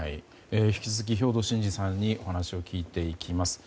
引き続き兵頭慎治さんにお話を聞いていきます。